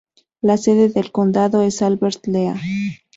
La sede de condado es Albert Lea.